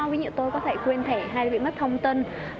ví dụ tôi có thể quên thẻ hay tôi bị mất thông tin